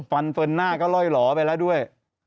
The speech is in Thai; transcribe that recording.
ฟันเฟิร์นหน้าก็ล่อยหล่อไปแล้วด้วย